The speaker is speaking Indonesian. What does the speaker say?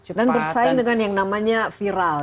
cepat dan bersaing dengan yang namanya viral